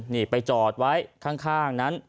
นี่ไปจอดไว้ข้างนั้น